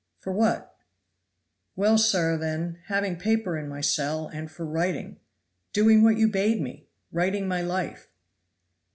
"For what?" "Well, sir, then having paper in my cell, and for writing doing what you bade me writing my life."